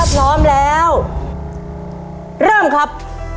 พร้อมแล้วเริ่มครับ